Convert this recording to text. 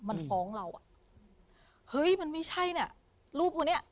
มันฟ้องเราอ่ะเฮ้ยมันไม่ใช่น่ะรูปตัวเนี้ย